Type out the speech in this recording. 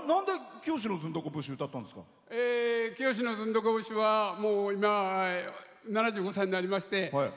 「きよしのズンドコ節」はもう、今、７５歳になりまして